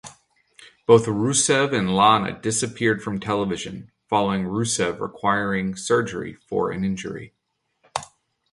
Both Rusev and Lana disappeared from television following Rusev requiring surgery for an injury.